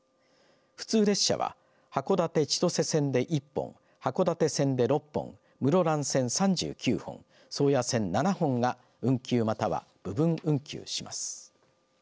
普通列車は函館・千歳線で１本函館線で６本室蘭線３９本宗谷線７本が運休または部分運休します。